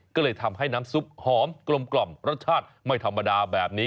ก็เลยทำให้น้ำซุปหอมกลมรสชาติไม่ธรรมดาแบบนี้